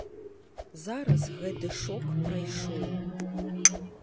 Зараз гэты шок прайшоў.